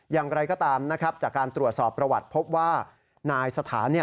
อย่างไรก็ตามนะครับจากการตรวจสอบประวัติพบว่านายสถานเนี่ย